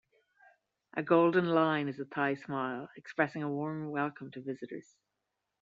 A golden line is a Thai smile, expressing a warm welcome to visitors.